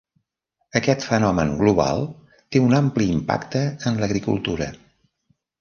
Aquest fenomen global té un ampli impacte en l'agricultura.